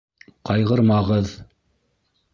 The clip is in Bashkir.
Ҡайғырмағыҙ!